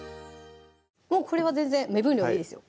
もうこれは全然目分量でいいですよ